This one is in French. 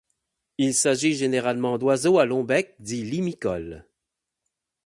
Il s'agit généralement d'oiseaux à longs becs dits limicoles.